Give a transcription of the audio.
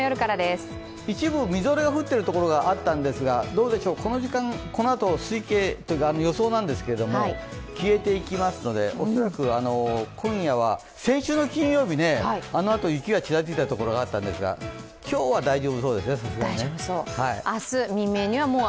一部、みぞれが降っているところがあったんですが、どうでしょう、このあと推計というか予想なんですけれども消えていきますので、恐らく今夜は先週の金曜日、あのあと雪がちらついたところがあったんですが、今日は大丈夫そうですよ。